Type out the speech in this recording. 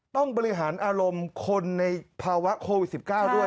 ต้องบริหารอารมณ์คนในภาวะโควิด๑๙ด้วย